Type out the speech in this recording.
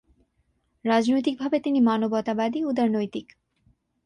রাজনৈতিক ভাবে তিনি মানবতাবাদী উদারনৈতিক।